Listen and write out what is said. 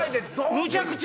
むちゃくちゃ！